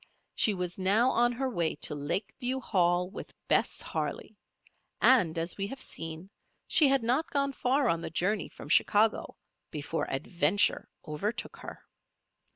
She was now on her way to Lakeview Hall with Bess Harley; and, as we have seen, she had not gone far on the journey from Chicago before Adventure overtook her.